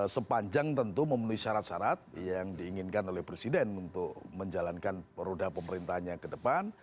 sepanjang tentu memenuhi syarat syarat yang diinginkan oleh presiden untuk menjalankan roda pemerintahnya ke depan